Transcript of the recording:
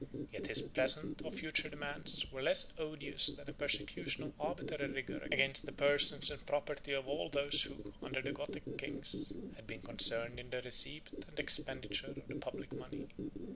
Yet his present or future demands were less odious than a prosecution of arbitrary rigor against the persons and property of all those who, under the Gothic kings, had been concerned in the receipt and expenditure of the public money.